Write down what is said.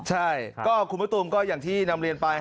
ใช่ก็คุณมะตูมก็อย่างที่นำเรียนไป